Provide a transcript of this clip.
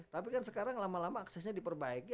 tapi kan sekarang lama lama aksesnya diperbaiki